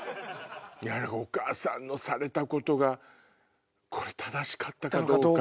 お母さんのされたことが正しかったかどうか。